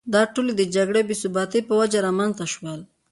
دا ټول د جګړې او بې ثباتۍ په وجه رامېنځته شول.